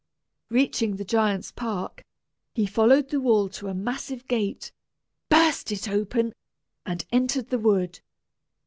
Reaching the giant's park, he followed the wall to a massive gate, burst it open, and entered the wood.